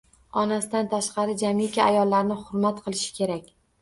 Onasidan tashqari jamiki ayollarni hurmat qilishi kerak.